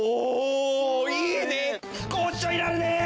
おいいね！